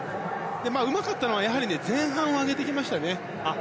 うまかったのは前半を上げてきましたよね。